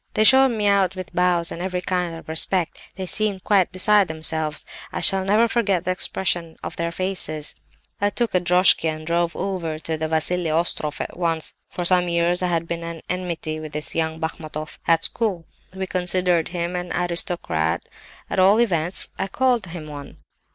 "They showed me out with bows and every kind of respect; they seemed quite beside themselves. I shall never forget the expression of their faces! "I took a droshky and drove over to the Vassili Ostroff at once. For some years I had been at enmity with this young Bachmatoff, at school. We considered him an aristocrat; at all events I called him one.